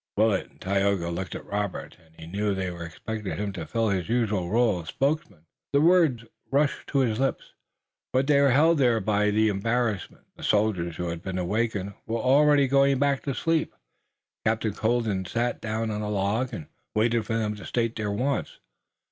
Willet and Tayoga looked at Robert and he knew they expected him to fill his usual role of spokesman. The words rushed to his lips, but they were held there by embarrassment. The soldiers who had been awakened were already going back to sleep. Captain Colden sat down on a log and waited for them to state their wants.